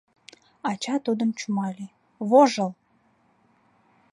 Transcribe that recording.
Ача тудым чумале: «Вожыл!